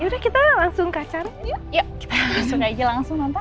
ya udah kita langsung ke acara